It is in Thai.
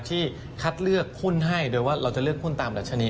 ที่คัดเลือกหุ้นให้โดยว่าเราจะเลือกหุ้นตามดัชนี